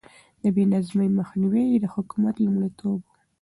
د بې نظمي مخنيوی يې د حکومت لومړيتوب و.